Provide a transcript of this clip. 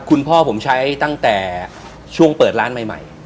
คุณพ่อผมใช้ตั้งแต่ช่วงเปิดร้านใหม่